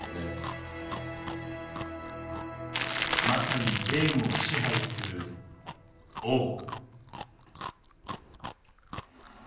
まさにゲームを支配する王。